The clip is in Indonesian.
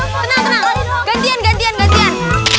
tenang tenang gantian gantian gantian